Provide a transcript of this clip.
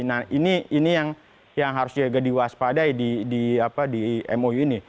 nah ini yang harus juga diwaspadai di mou ini